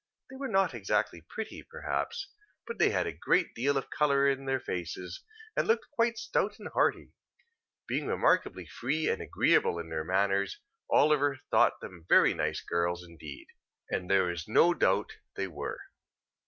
They were not exactly pretty, perhaps; but they had a great deal of colour in their faces, and looked quite stout and hearty. Being remarkably free and agreeable in their manners, Oliver thought them very nice girls indeed. As there is no doubt they were.